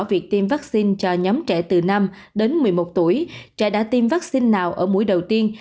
việc tiêm vaccine cho nhóm trẻ từ năm đến một mươi một tuổi trẻ đã tiêm vaccine nào ở mũi đầu tiên